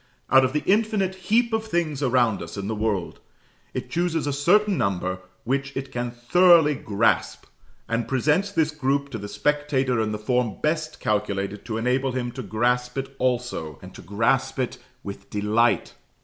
Out of the infinite heap of things around us in the world, it chooses a certain number which it can thoroughly grasp, and presents this group to the spectator in the form best calculated to enable him to grasp it also, and to grasp it with delight.